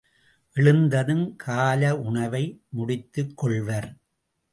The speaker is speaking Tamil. எழுந்ததும் கால உணவை முடித்துக் கொள்வர்.